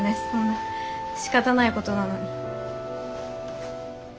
そんなしかたないことなのに。